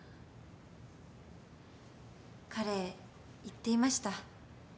彼言っていました。